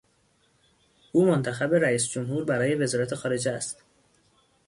او منتخب رئیس جمهور برای وزارت خارجه است.